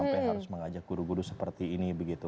sampai harus mengajak guru guru seperti ini begitu